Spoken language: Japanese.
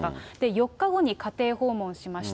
４日後に家庭訪問しました。